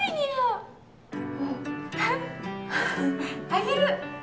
あげる！